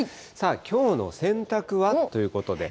きょうの洗濯は？ということで。